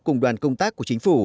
cùng đoàn công tác của chính phủ